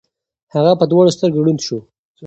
هغه په دواړو سترګو ړوند شو.